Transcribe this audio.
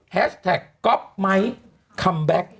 แฮสแท็กก๊อปไม้คอมแบ็ค